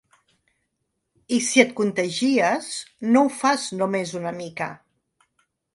I si et contagies, no ho fas només una mica.